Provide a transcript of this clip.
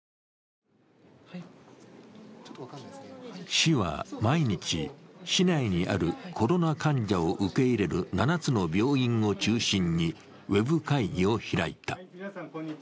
市は毎日、市内にあるコロナ患者を受け入れる７つの病院を中心にウェブ会議を開いた。